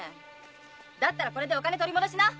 だったらこれでお金取り戻しな。